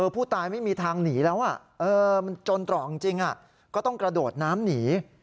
ไม่มีทางหนีแล้วมันจนตรอกจริงก็ต้องกระโดดน้ำหนี